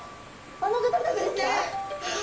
あの方たちですか。